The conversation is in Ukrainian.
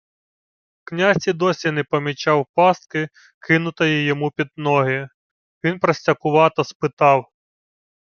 Князь і досі не помічав пастки, кинутої йому під ноги. Він простякувато спитав: